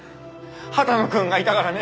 波多野君がいたからね！